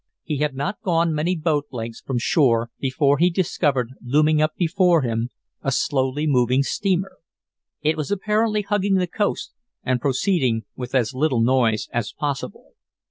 He had not gone many boat lengths from shore before he discovered looming up before him a slowly moving steamer. It was apparently hugging the coast and proceeding with as little noise as possible.